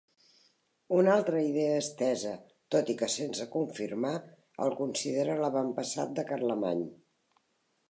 Una altra idea estesa, tot i que sense confirmar, el considera l'avantpassat de Carlemany.